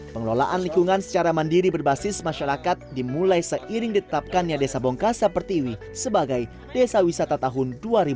pengelolaan lingkungan secara mandiri berbasis masyarakat dimulai seiring ditetapkannya desa bongka seperti ini sebagai desa wisata tahun dua ribu sepuluh